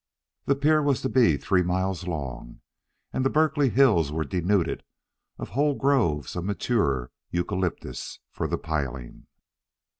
The pier was to be three miles long, and the Berkeley hills were denuded of whole groves of mature eucalyptus for the piling.